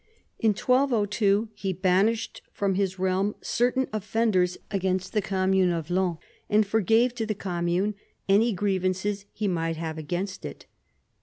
In 1202 he banished from his realm certain offenders against the commune of Laon, and forgave to the commune any grievances he might have against it.